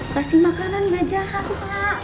kasih makanan gak jahat